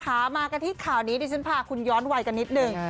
ถามายังไงกับเราทีข่านี้เดี๋ยวผมพาคุณย้อนไวน์กันนิดหนึ่ง